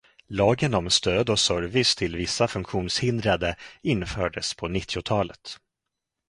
Lagen om stöd och service till vissa funktionshindrade infördes på nittiotalet.